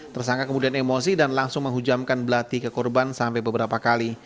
tersangka kemudian emosi dan langsung menghujamkan belati ke korban sampai beberapa kali